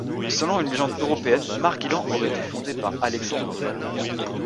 Selon une légende européenne, Marguilan aurait été fondée par Alexandre le Grand.